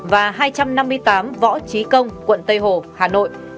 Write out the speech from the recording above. và hai trăm năm mươi tám võ trí công quận tây hồ hà nội